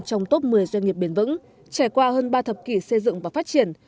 trong top một mươi doanh nghiệp bền vững trải qua hơn ba thập kỷ xây dựng và phát triển